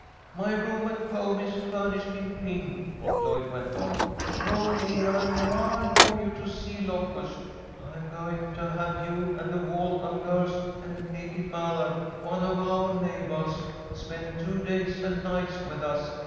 "My room at home is furnished in pink," Lloyd went on. "Oh, Gay, I'm wild for you to see Locust. I'm going to have you and the Walton girls and Katie Mallard, one of our neighbahs, spend two days and nights with us.